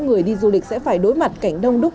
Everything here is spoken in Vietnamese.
người đi du lịch sẽ phải đối mặt cảnh đông đúc